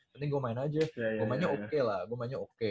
mending gua main aja gua mainnya oke lah gua mainnya oke